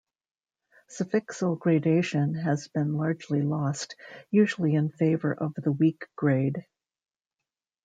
Suffixal gradation has been largely lost, usually in favor of the weak grade.